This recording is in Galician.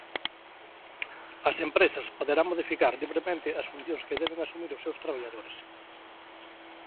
As empresas poderán modificar libremente as funcións que deben asumir os seus traballadores.